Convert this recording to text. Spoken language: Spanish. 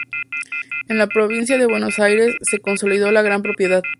En la provincia de Buenos Aires se consolidó la gran propiedad.